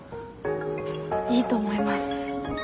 いいと思います。